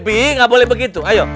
debi gak boleh begitu ayo